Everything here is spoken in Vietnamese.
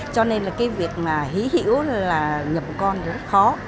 cho nên là cái việc hí hữu là nhập con rất khó